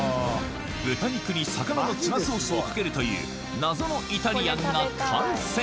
豚肉に魚のツナソースをかけるという謎のイタリアンが完成！